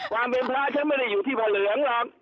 ความเป็นพระฉันไม่ได้อยู่ที่พระเหลืองหรอก